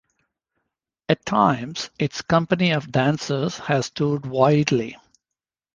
At times, its company of dancers has toured widely.